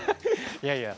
いやいや。